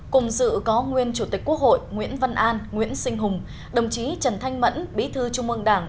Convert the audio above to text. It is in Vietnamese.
cùng dự có nguyên chủ tịch quốc hội nguyễn văn an nguyễn sinh hùng đồng chí trần thanh mẫn bí thư trung ương đảng